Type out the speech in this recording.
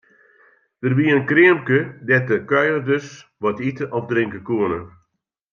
Der wie in kreamke dêr't de kuierders wat ite of drinke koene.